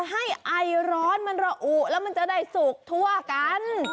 ให้ไอร้อนมันระอุแล้วมันจะได้สุกทั่วกัน